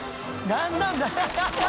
何なんだ